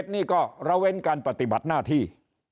นี่ก็ระเว้นการปฏิบัติหน้าที่